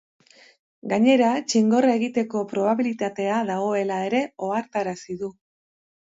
Gainera, txingorra egiteko probabilitatea dagoela ere ohartarazi du.